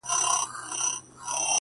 قتلوې سپیني ډېوې مي زه بې وسه درته ګورم,